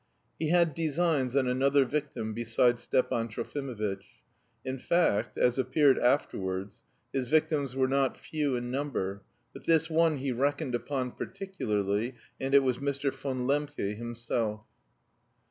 He had designs on another victim besides Stepan Trofimovitch. In fact, as appeared afterwards, his victims were not few in number, but this one he reckoned upon particularly, and it was Mr. von Lembke himself.